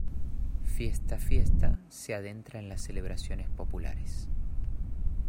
Fiesta Fiesta se adentra en las celebraciones populares.